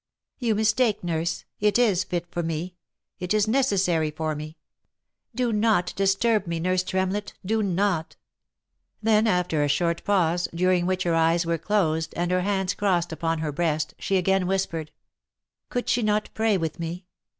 " You mistake, nurse. It is fit for me. It is necessary for me. Do not disturb me, nurse Tremlett ! do not !" Then after a short pause, during which her eyes were closed, and her hands crossed upon her breast, she again whispered, " Could she not pray with me